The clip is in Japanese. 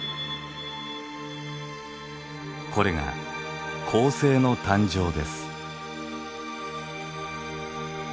これが恒星の誕生です。